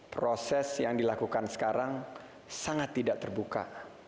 proses yang dilakukan sekarang sangat tidak terbuka